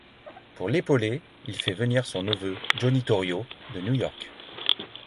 Pour l'épauler, il fait venir son neveu Johnny Torrio de New York.